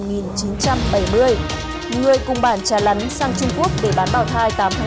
người cùng bản trà lắn sang trung quốc để bán bào thai tám tháng tuổi